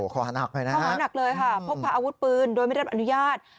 ข้อหาหนักไปนะครับค่ะพบพาอาวุธปืนโดยไม่ได้รับอนุญาต